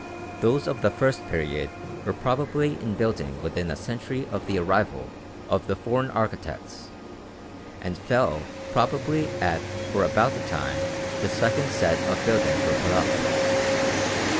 Those of the first period were probably in building within a century of the arrival of the foreign architects; and fell probably at or about the time the second set of buildings were put up.